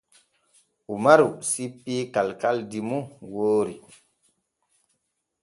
Umaru sippii kalkaldi mum woori.